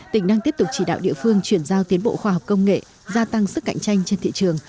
tỉnh đang tiếp tục chỉ đạo địa phương chuyển giao tiến bộ khoa học công nghệ gia tăng sức cạnh tranh trên thị trường